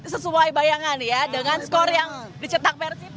sesuai bayangan ya dengan skor yang dicetak persib